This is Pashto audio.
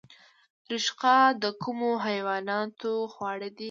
رشقه د کومو حیواناتو خواړه دي؟